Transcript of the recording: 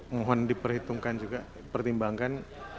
ngohon diperhitungkan juga pertimbangkan